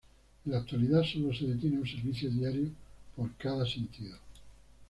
En la actualidad sólo se detiene un servicio diario por cada sentido.